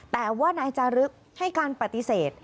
แต่ว่านายจารึกให้การปฏิเสธ